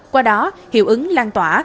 qua đó hiệu ứng lan tỏa